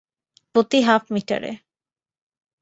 প্রতি হাফ মিটারে।